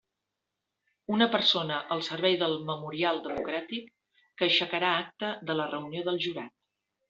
Una persona al servei del Memorial Democràtic, que aixecarà acta de la reunió del jurat.